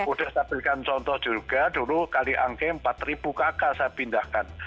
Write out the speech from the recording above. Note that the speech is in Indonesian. sudah saya berikan contoh juga dulu kalianke empat ribu kakak saya pindahkan